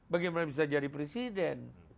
bagaimana bisa jadi presiden